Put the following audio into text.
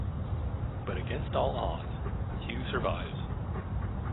But against all odds - Hugh survives.